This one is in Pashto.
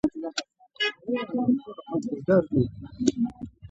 دا د تاریخ د حساسې مقطعې په جریان کې ژور شول.